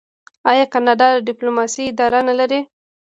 آیا کاناډا د ډیپلوماسۍ اداره نلري؟